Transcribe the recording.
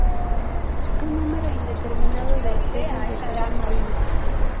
Un número indeterminado de especies de coral marino.